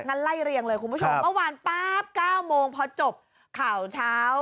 ไล่เรียงเลยคุณผู้ชมเมื่อวานป๊าบ๙โมงพอจบข่าวเช้า